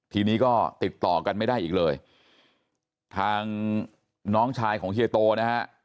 ทีนี้ก็ติดต่อกันไม่ได้อีกเลยทางน้องชายของเฮียโตนะฮะ